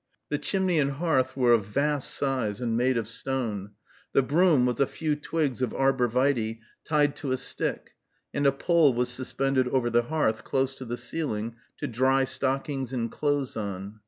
The chimney and hearth were of vast size, and made of stone. The broom was a few twigs of arbor vitæ tied to a stick; and a pole was suspended over the hearth, close to the ceiling, to dry stockings and clothes on.